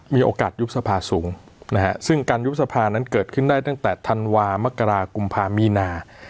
มีโอกาสยุบสภาสูงนะฮะซึ่งการยุบสภานั้นเกิดขึ้นได้ตั้งแต่ธันวามกรากุมภามีนา